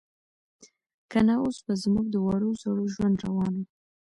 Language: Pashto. که نه اوس به زموږ د وړو زړو ژوند روان و.